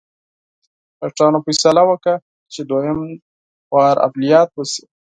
ډاکټرانو فیصله وکړه چې دوهم ځل عملیات وشي.